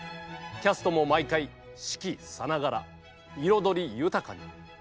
キャストも毎回四季さながら彩り豊かに。